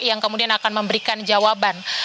yang kemudian akan memberikan jawaban